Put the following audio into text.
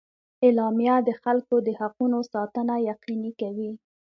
اعلامیه د خلکو د حقونو ساتنه یقیني کوي.